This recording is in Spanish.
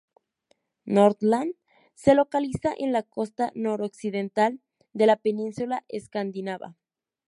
Nordland se localiza en la costa noroccidental de la península escandinava.